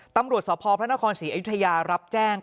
ตำรวจสพพระนครศรีอยุธยารับแจ้ง